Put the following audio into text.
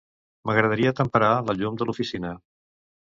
M'agradaria temperar la llum de l'oficina.